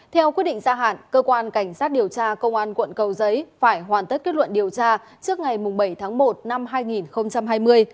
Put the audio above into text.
theo quyết định gia hạn cơ quan cảnh sát điều tra công an quận cầu giấy phải hoàn tất kết luận điều tra trước ngày bảy tháng một năm hai nghìn hai mươi